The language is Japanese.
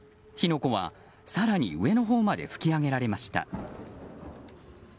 火の粉は更に上のほうまで噴き上げられました。